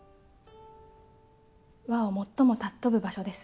和を最も貴ぶ場所です。